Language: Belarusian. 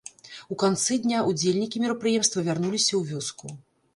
У канцы дня ўдзельнікі мерапрыемства вярнуліся ў вёску.